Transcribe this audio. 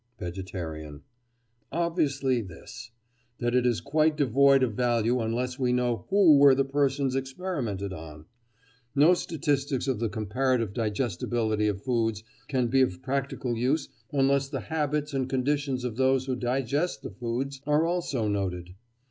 VEGETARIAN: Obviously this—that it is quite devoid of value unless we know who were the persons experimented on. No statistics of the comparative digestibility of foods can be of practical use unless the habits and conditions of those who digest the foods are also noted.